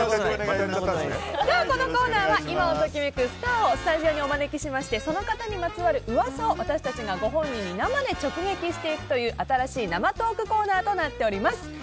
このコーナーは今を時めくスターをスタジオにお招きしてその方にまつわる噂を私たちがご本人に生で直撃していく新しい生トークコーナーとなっております。